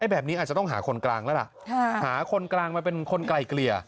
แบบนี้อาจจะต้องหาคนกลางแล้วล่ะหาคนกลางมาเป็นคนไกลเกลี่ย